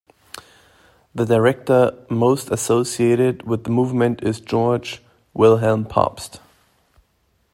The director most associated with the movement is Georg Wilhelm Pabst.